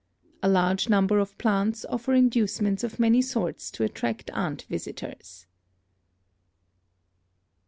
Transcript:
A large number of plants offer inducements of many sorts to attract ant visitors.